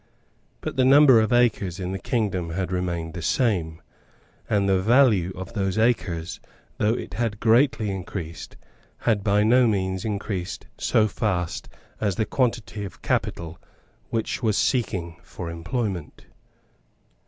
But the number of acres in the kingdom had remained the same; and the value of those acres, though it had greatly increased, had by no means increased so fast as the quantity of capital which was seeking for employment.